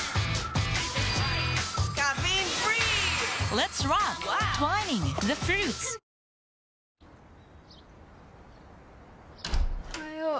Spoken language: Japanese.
おはよう